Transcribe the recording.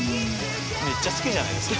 めっちゃ好きじゃないですか。